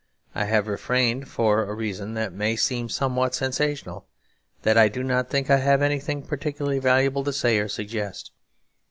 I have refrained for a reason that may seem somewhat sensational; that I do not think I have anything particularly valuable to say or suggest.